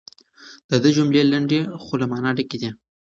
د ده جملې لنډې خو له مانا ډکې دي.